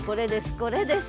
これです